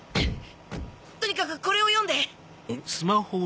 とにかくこれを読んで。